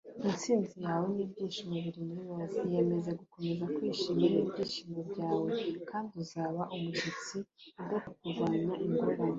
intsinzi yawe n'ibyishimo biri muri wowe. iyemeze gukomeza kwishima, n'ibyishimo byawe kandi uzaba umushyitsi udatsindwa kurwanya ingorane